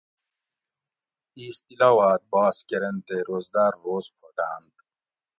اِیس تلاواۤت باس کۤرینت تے روزدار روز پھوٹانت